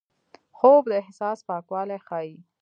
خوب د احساس پاکوالی ښيي